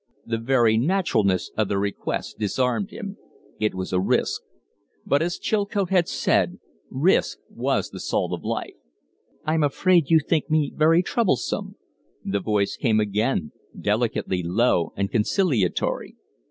The very naturalness of the request disarmed him. It was a risk. But, as Chilcote had said, risk was the salt of life! "I'm afraid you think me very troublesome." The voice came again, delicately low and conciliatory.